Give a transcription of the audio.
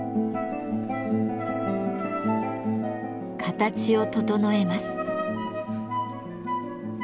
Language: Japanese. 形を整えます。